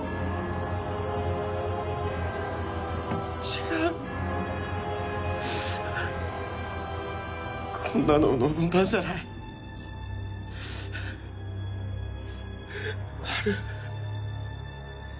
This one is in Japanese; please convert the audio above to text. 違うこんなのを望んだんじゃないアル